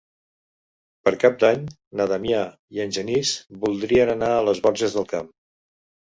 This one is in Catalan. Per Cap d'Any na Damià i en Genís voldrien anar a les Borges del Camp.